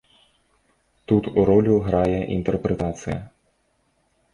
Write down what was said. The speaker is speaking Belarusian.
Тут ролю грае інтэрпрэтацыя.